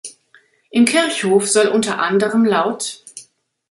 Im Kirchhof soll unter anderem lt.